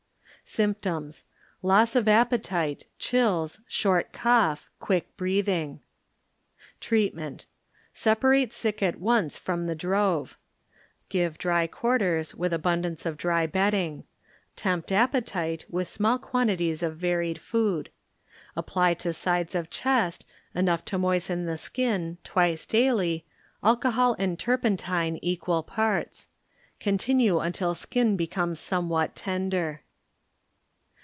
Symptoms. ŌĆö Loss of appetite, chills, short cough, quick breathing. Treatment. ŌĆö Separate sick at once from the drove ; give dry quarters with abundance of dry bedding: tempt appe tite with small quantities of varied food. Apply to sides of chest, enough to moisten the skin, twice daily, alcohol and turpentine equal parts ; continue until skin becomes somewhat tender.